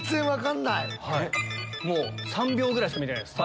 ３秒ぐらいしか見てないです